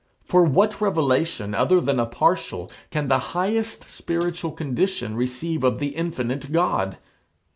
For what revelation, other than a partial, can the highest spiritual condition receive of the infinite God?